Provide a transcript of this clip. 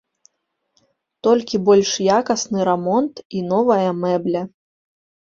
Толькі больш якасны рамонт і новая мэбля.